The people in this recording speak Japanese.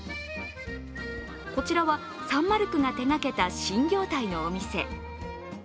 こちらはサンマルクが手がけた新業態のお店。